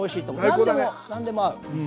何でも何でも合う。